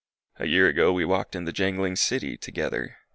... A year ago we walked in the jangling city Together